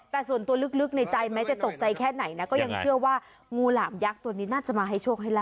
แต่ส่วนตัวลึกในใจแม้จะตกใจแค่ไหนนะก็ยังเชื่อว่างูหลามยักษ์ตัวนี้น่าจะมาให้โชคให้ลาบ